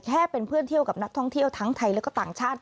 แค่เป็นเพื่อนเที่ยวกับนักท่องเที่ยวทั้งไทยและก็ต่างชาติ